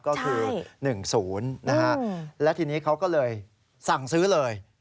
ก็คือ๑๐แล้วทีนี้เขาก็เลยสั่งซื้อเลย